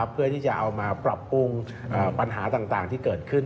เพื่อที่จะเอามาปรับปรุงปัญหาต่างที่เกิดขึ้น